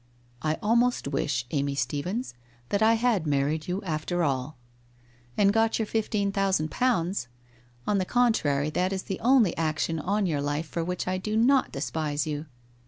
' I almost wish, Amy Stephens, that I had married you after all.' ' And got your fifteen thousand pounds ! On the con trary that is the only action on your life for which I do not despise you.